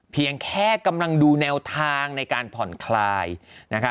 เพียงแค่กำลังดูแนวทางในการผ่อนคลายนะคะ